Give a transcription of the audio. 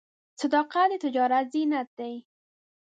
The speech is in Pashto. صداقت د تجارت زینت دی.